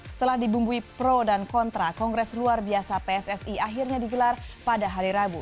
setelah dibumbui pro dan kontra kongres luar biasa pssi akhirnya digelar pada hari rabu